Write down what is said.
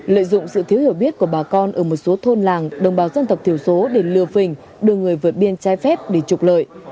lợi dụng sự thiếu hiểu biết của bà con ở một số thôn làng đồng bào dân tộc thiểu số để lừa phình đưa người vượt biên trái phép để trục lợi